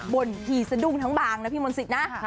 ่นทีสะดุ้งทั้งบางนะพี่มนศิษย์นะ